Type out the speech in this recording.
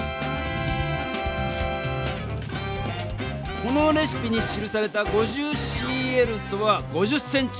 このレシピに記された「５０ｃＬ」とは「５０センチリットル」。